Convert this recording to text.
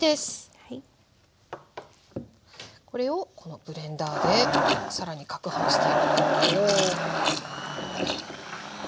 これをこのブレンダーで更にかくはんして。